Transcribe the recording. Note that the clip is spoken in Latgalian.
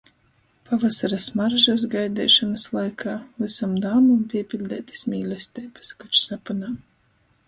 Pavasara smaržys gaideišonys laikā - vysom dāmom pīpiļdeitys mīlesteibys, koč sapynā.